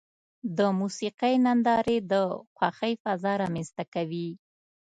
د موسیقۍ نندارې د خوښۍ فضا رامنځته کوي.